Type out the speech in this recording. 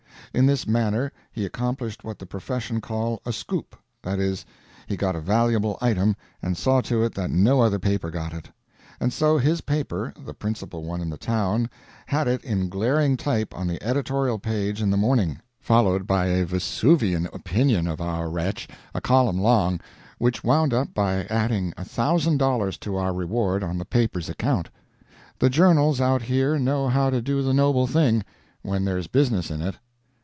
In this manner he accomplished what the profession call a "scoop" that is, he got a valuable item, and saw to it that no other paper got it. And so his paper the principal one in the town had it in glaring type on the editorial page in the morning, followed by a Vesuvian opinion of our wretch a column long, which wound up by adding a thousand dollars to our reward on the paper's account! The journals out here know how to do the noble thing when there's business in it.